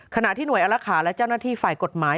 ขณะที่หน่วยอรักษาและเจ้าหน้าที่ฝ่ายกฎหมาย